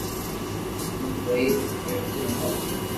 ھون ڪوئي روٽي کاو